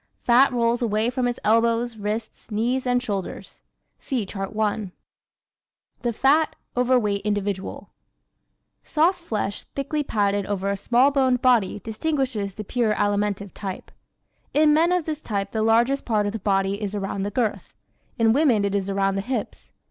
Fat rolls away from his elbows, wrists, knees and shoulders. (See Chart 1) The Fat, Overweight Individual ¶ Soft flesh thickly padded over a small boned body distinguishes the pure Alimentive type. In men of this type the largest part of the body is around the girth; in women it is around the hips.